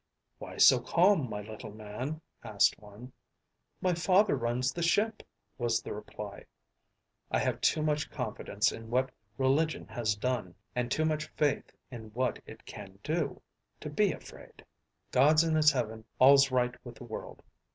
"Why so calm, my little man?" asked one. "My father runs this ship," was the reply. I have too much confidence in what religion has done and too much faith in what it can do, to be afraid. "God's in his heaven, all's right with the world."